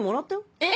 えっ！